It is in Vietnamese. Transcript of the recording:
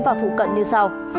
và phụ cận như sau